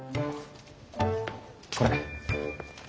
これ。